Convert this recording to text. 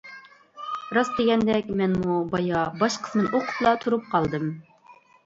راست دېگەندەك مەنمۇ بايا باش قىسمىنى ئوقۇپلا تۇرۇپ قالدىم.